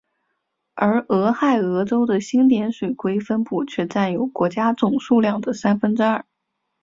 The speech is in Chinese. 而俄亥俄州的星点水龟分布却占有国家总数量的三分之二。